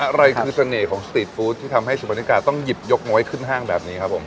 อะไรคือเสน่ห์ของสตรีทฟู้ดที่ทำให้สุพรรณิกาต้องหยิบยกน้อยขึ้นห้างแบบนี้ครับผม